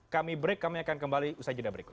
kami break kami akan kembali usai jeda berikut